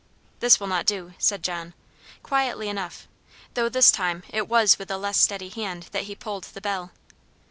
"This will not do," said John quietly enough, though this time it was with a less steady hand that he pulled the bell.